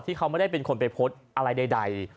ที่เขาไม่ได้เป็นคนไปโพสต์อะไรใด